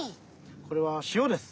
これはしおです。